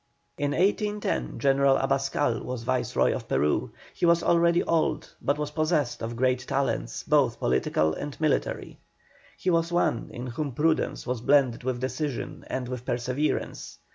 In 1810 General Abascal was Viceroy of Peru; he was already old, but was possessed of great talents, both political and military. He was one in whom prudence was blended with decision and with perseverance.